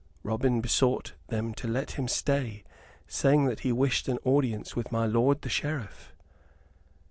Robin besought them to let him stay, saying that he wished an audience with my lord the Sheriff.